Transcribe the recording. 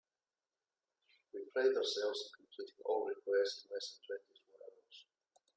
We pride ourselves in completing all requests in less than twenty four hours.